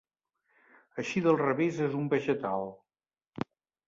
Així del revés és un vegetal.